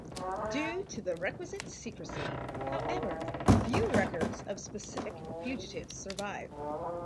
Due to the requisite secrecy, however, few records of specific fugitives survive.